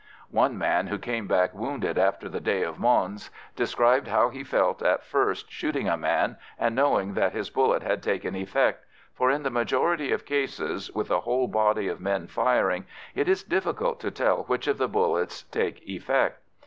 One man, who came back wounded after the day of Mons, described how he felt at first shooting a man and knowing that his bullet had taken effect for in the majority of cases, with a whole body of men firing, it is difficult to tell which of the bullets take effect.